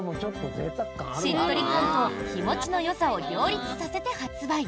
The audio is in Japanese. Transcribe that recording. しっとり感と日持ちのよさを両立させて発売。